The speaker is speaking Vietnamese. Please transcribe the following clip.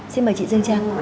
xin mời chị dương trang